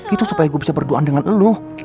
itu supaya gue bisa berdoa dengan eluh